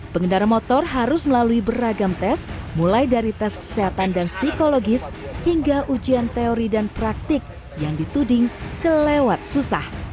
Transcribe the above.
pengendara motor harus melalui beragam tes mulai dari tes kesehatan dan psikologis hingga ujian teori dan praktik yang dituding kelewat susah